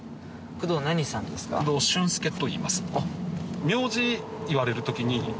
工藤俊介といいます